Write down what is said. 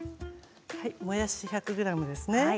もやし１００ｇですね。